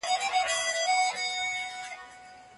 شخصي احساسات په علمي کار کې ځای نه لري.